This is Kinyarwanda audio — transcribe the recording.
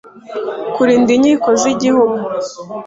kurinda inkiko z’Igihugu